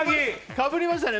かぶりましたね。